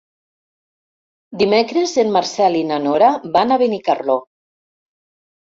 Dimecres en Marcel i na Nora van a Benicarló.